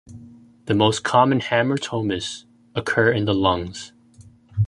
The most common hamartomas occur in the lungs.